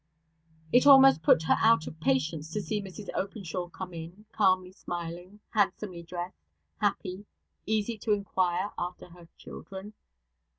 It almost put her out of patience to see Mrs Openshaw come in, calmly smiling, handsomely dressed, happy, easy, to inquire after her children.